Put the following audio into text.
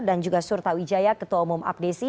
dan juga surta wijaya ketua umum abdesi